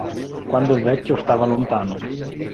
Quando il vecchio stava lontano.